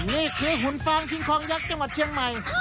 นี่คือหุ่นฟางคิงคลองยักษ์จังหวัดเชียงใหม่